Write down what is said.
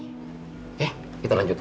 oke kita lanjutkan